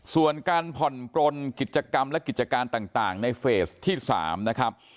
ส่วนการผ่อนปลนกิจกรรมและกิจการต่างในเฟสที่๓นะครับ